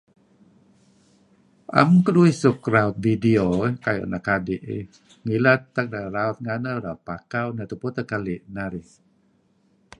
naam keduwih suk raut video eh ku'ayu anak adi eh ngilad tak deh raut raut pakau neh tupu teh keli narih